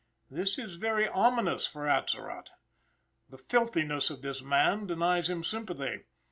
This is very ominous for Atzerott. The filthiness of this man denies him sympathy.